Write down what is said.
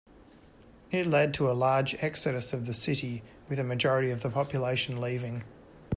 It led to a large exodus of the city, with a majority of the population leaving.